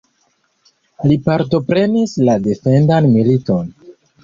Li partoprenis la defendan militon.